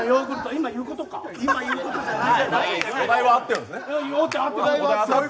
今言うことじゃない。